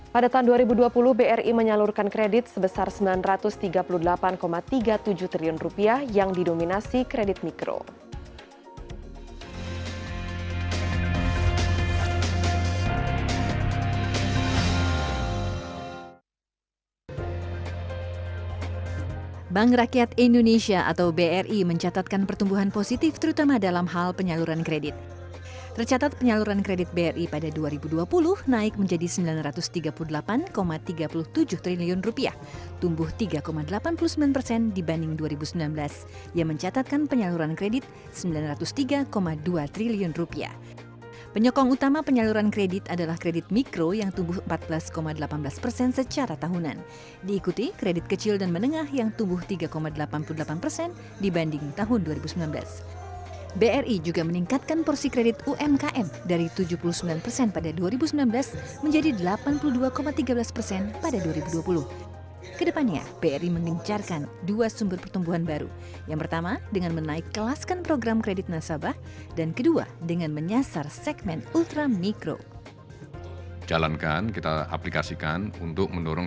pada tahun dua ribu dua puluh bri menyalurkan kredit sebesar rp sembilan ratus tiga puluh delapan tiga puluh tujuh triliun yang didominasi kredit mikro